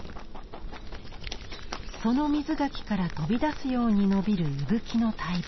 その瑞垣から飛び出すように伸びるイブキの大木。